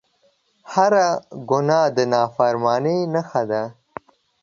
هر ګناه د نافرمانۍ نښه ده